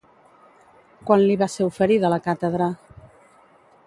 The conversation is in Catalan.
Quan li va ser oferida la càtedra?